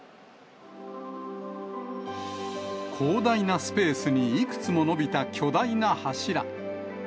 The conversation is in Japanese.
広大なスペースにいくつも伸びた巨大な柱。